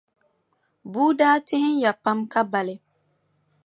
Bua daa tihimya pam ka bali.